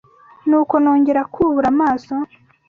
Nuko nongera kubura amaso